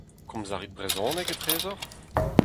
Komz a rit brezhoneg etrezoc'h ?